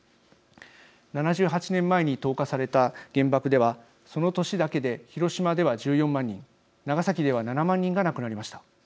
７８年前に投下された原爆ではその年だけで広島では１４万人長崎では７万人が亡くなりました。